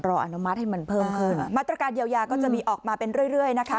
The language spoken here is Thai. อนุมัติให้มันเพิ่มขึ้นมาตรการเยียวยาก็จะมีออกมาเป็นเรื่อยเรื่อยนะคะ